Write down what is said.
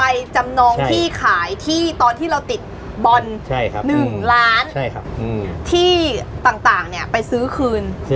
ที่ต่างไปซื้อคืน